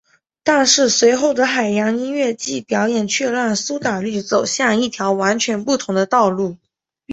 但是随后的海洋音乐季表演却让苏打绿走向一条完全不同的道路。